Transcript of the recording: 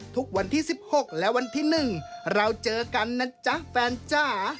วันที่๑๖และวันที่๑เราเจอกันนะจ๊ะแฟนจ๋า